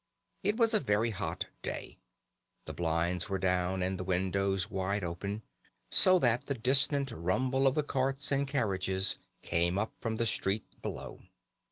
It was a very hot day, the blinds were down and the windows wide open, so that the distant rumble of the carts and carriages came up from the street below.